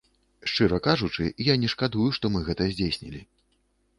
Шчыра кажучы, я не шкадую, што мы гэта здзейснілі.